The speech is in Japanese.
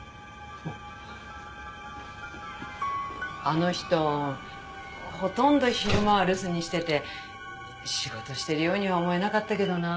あの人ほとんど昼間は留守にしてて仕事してるようには思えなかったけどな。